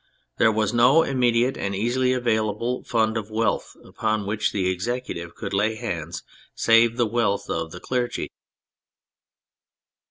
There was no iminediate and easily available fund of wealth upon which the Executive could lay hands save the wealth of the clergy.